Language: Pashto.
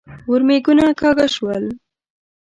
ورمېږونه کاږه شول.